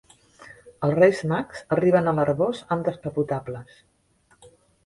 Els Reis Mags arriben a l'arboç amb descapotables.